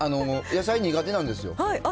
野菜苦手なんですよ。